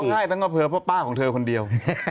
เพราะร้องให้ตั้งแต่เพราะป้าของเธอคนเดียว